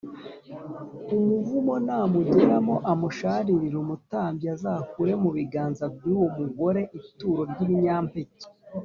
Umuvumo namugeramo amusharirire umutambyi azakure mu biganza by uwo mugore ituro ry ibinyampeke